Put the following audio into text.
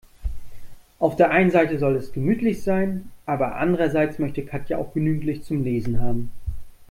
Auf der einen Seite soll es gemütlich sein, aber andererseits möchte Katja auch genügend Licht zum Lesen haben.